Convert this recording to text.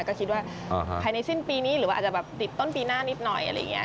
ก็คิดว่าภายในสิ้นปีนี้หรือว่าอาจจะแบบติดต้นปีหน้านิดหน่อยอะไรอย่างนี้